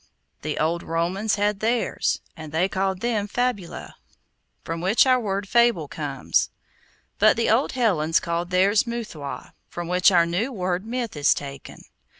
The old Romans had theirs, and they called them 'Fabulæ,' from which our word 'fable' comes; but the old Hellens called theirs 'Muthoi,' from which our new word 'myth' is taken.